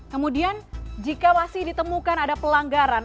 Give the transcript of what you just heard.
kemudian jika masih ditemukan ada pelanggaran